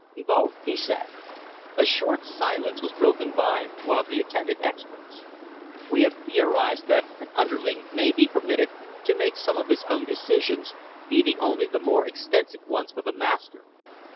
"Both," he said. A short silence was broken by one of the attendant experts. "We have theorized that an underling may be permitted to make some of his own decisions, leaving only the more extensive ones for the master.